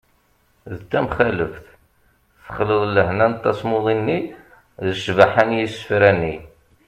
d tamxaleft : texleḍ lehna n tasmuḍi-nni d ccbaḥa n yisefra-nni